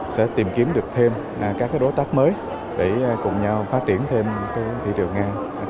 sẽ tìm kiếm được thêm các đối tác mới để cùng nhau phát triển thêm thị trường nga